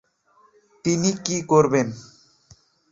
তিনি কী করবেন?